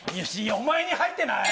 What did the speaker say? お前に入ってない？